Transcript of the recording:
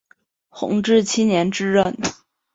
弘治七年致仕。